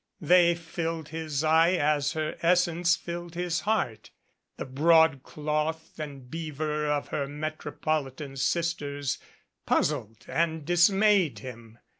They filled his eye as her essence filled his heart. The broadcloth and beaver of 253 MADCAP ' her metropolitan sisters puzzled and dismayed him.